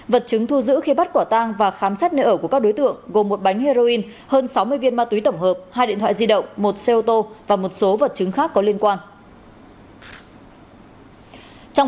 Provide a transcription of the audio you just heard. vật chứng thu giữ khi bắt quả tang và khám xét nơi ở của các đối tượng gồm một bánh heroin hơn sáu mươi viên ma túy tổng hợp hai điện thoại di động một xe ô tô và một số vật chứng khác có liên quan